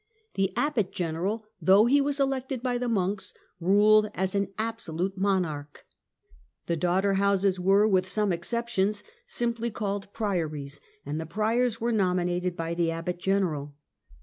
The abbot general, though he was elected by the monks, ruled as an absolute monarch. The daughter houses were, with some ex ceptions, simply called "priories," and the priors were nominated by the abbot general.